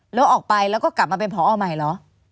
แล้วออกไปแล้วก็กลับมาเป็นผอใหม่เหรอ